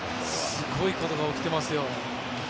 すごいことが起きてますよ。